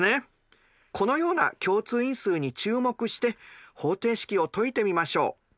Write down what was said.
このような共通因数に注目して方程式を解いてみましょう。